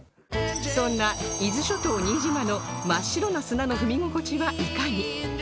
そんな伊豆諸島新島の真っ白な砂の踏み心地はいかに？